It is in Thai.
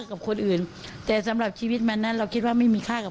กับคนอื่นแต่สำหรับชีวิตมันนั้นเราคิดว่าไม่มีค่ากับ